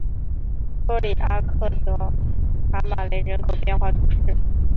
托里阿克德卡马雷人口变化图示